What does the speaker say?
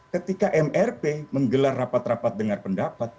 ketika mrp menggelar rapat rapat dengar pendapat